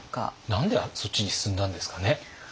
何でそっちに進んだんですかね。